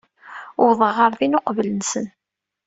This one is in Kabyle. Uwḍeɣ ɣer din uqbel-nsent.